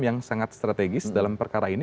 yang sangat strategis dalam perkara ini